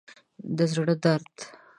د زړه درد